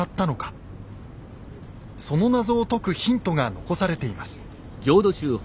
その謎を解くヒントが残されています。